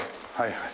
はい。